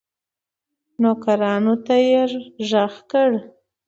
نوکرانو ته ږغ کړل.